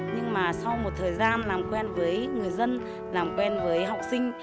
nhưng mà sau một thời gian làm quen với người dân làm quen với học sinh